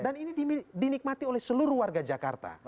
dan ini dinikmati oleh seluruh warga jakarta